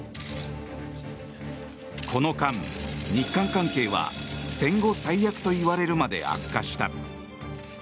この間、日韓関係は戦後最悪といわれるまで悪化した。